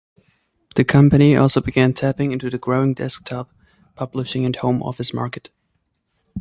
The company also began tapping into the growing desktop publishing and home office market.